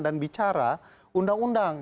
dan bicara undang undang